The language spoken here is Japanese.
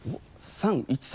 ３１３。